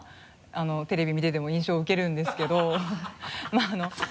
テレビ見てても印象受けるんですけど。